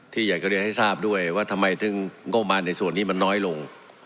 อยากจะเรียนให้ทราบด้วยว่าทำไมถึงงบมารในส่วนนี้มันน้อยลง